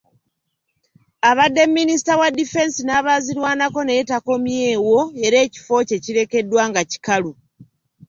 Abadde minisita wa difensi n’abaazirwanako naye takomyewo era ekifo kye kirekeddwa nga kikalu